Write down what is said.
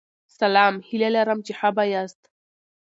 سلام هیله لرم چی ښه به یاست